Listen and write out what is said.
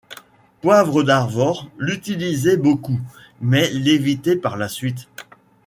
Poivre d'Arvor l'utilisait beaucoup, mais l'évitait par la suite.